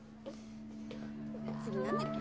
次何だっけ？